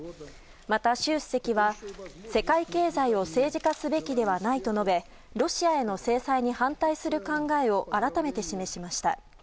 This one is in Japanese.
また、習主席は世界経済を政治化すべきではないと述べロシアへの制裁に反対する考えを改めて示しました。